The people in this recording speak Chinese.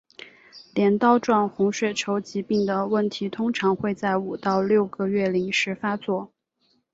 镰刀状红血球疾病的问题通常会在五到六个月龄时发作。